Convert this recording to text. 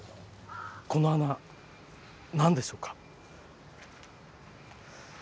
この穴何でしょうか？